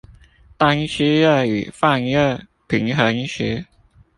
當吸熱與放熱平衡時